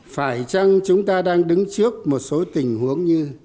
phải chăng chúng ta đang đứng trước một số tình huống như